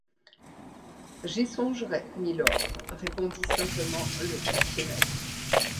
J’y songerai, mylord, » répondit simplement le quartier-maître.